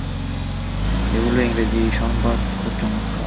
এগুলার ইংরেজি অনুবাদ ও খুব চমৎকার।